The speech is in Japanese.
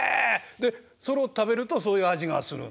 でそれを食べるとそういう味がする？